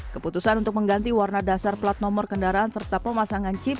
keputusan untuk mengganti warna dasar plat nomor kendaraan serta pemasangan chip